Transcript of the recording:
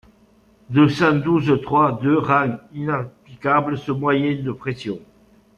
deux cent douze-trois-deux rend inapplicable ce moyen de pression.